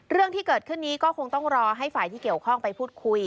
เรื่องที่เกิดขึ้นนี้ก็คงต้องรอให้ฝ่ายที่เกี่ยวข้องไปพูดคุย